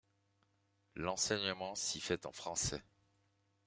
L'enseignement s'y fait en français.